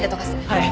はい。